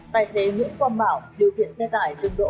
tài xế nguyễn quang bảo điều khiển xe tải dừng đỗ